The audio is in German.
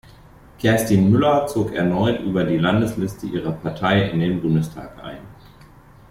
Kerstin Müller zog erneut über die Landesliste ihrer Partei in den Bundestag ein.